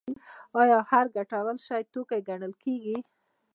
آیا هر ګټور شی توکی ګڼل کیږي؟